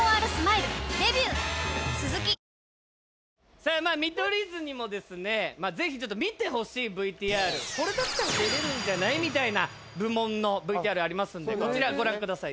さあまあ見取り図にもですねぜひちょっと見てほしいＶＴＲこれだったら出れるんじゃない？みたいな部門のＶＴＲありますんでこちらご覧ください